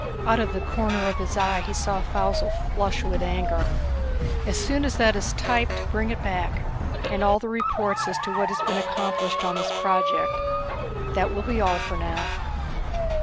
Out of the corner of his eye he saw Faussel flush with anger. "As soon as that is typed bring it back. And all the reports as to what has been accomplished on this project. That will be all for now."